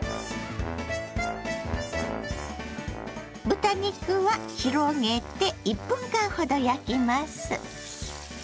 豚肉は広げて１分間ほど焼きます。